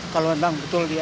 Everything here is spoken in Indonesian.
kalau memang betul dia